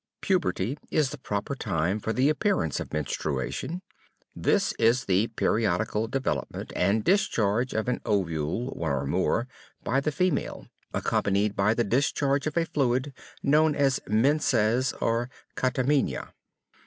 Puberty is the proper time for the appearance of menstruation. This is the periodical development and discharge of an ovule (one or more) by the female, accompanied by the discharge of a fluid, known as menses or catamenia.